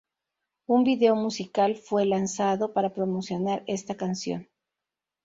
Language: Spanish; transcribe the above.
Un video musical fue lanzado para promocionar esta canción.